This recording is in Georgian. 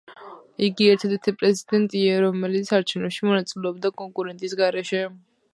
იგი ერთადერთი პრეზიდენტია, რომელიც არჩევნებში მონაწილეობდა კონკურენტის გარეშე.